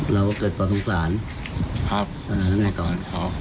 เราก็เกิดปลอดภัณฑ์สาวนั้นก่อน